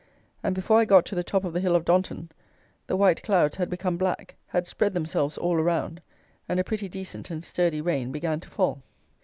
and before I got to the top of the hill of Donton, the white clouds had become black, had spread themselves all around, and a pretty decent and sturdy rain began to fall.